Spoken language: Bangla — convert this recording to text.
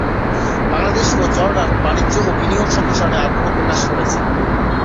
বাংলাদেশ ও জর্ডান বাণিজ্য ও বিনিয়োগ সম্প্রসারণে আগ্রহ প্রকাশ করেছে।